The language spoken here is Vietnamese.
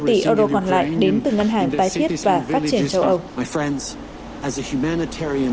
năm tỷ euro còn lại đến từ ngân hàng tái thiết và phát triển châu âu